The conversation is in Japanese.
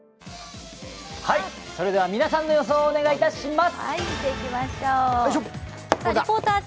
皆さんの予想をお願いいたします。